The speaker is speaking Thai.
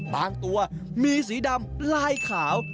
บางตัวมีสีดำลายขาว